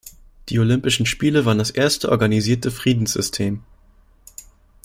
Die Olympischen Spiele waren das erste organisierte Friedenssystem.